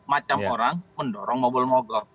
macam orang mendorong mobil mogok